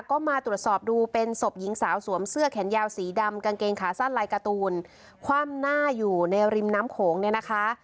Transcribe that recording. ก็มาตรวจสอบดูเป็นศพหญิงสาวสวมเสื้อแขนยาวสีดำกางเกงขาสั้นลายการ์ตูนคว่ำหน้าอยู่ในริมน้ำโขงเนี่ยนะคะ